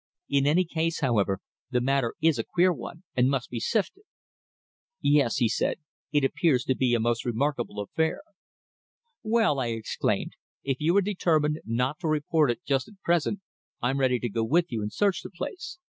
In any case, however, the matter is a queer one and must be sifted." "Yes," he said, "it appears to be a most remarkable affair." "Well," I exclaimed, "if you are determined not to report it just at present I'm ready to go with you and search the place.